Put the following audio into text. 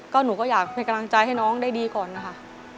ก็หนูก็อยากเป็นกำลังใจให้น้องได้ดีก่อนนะคะ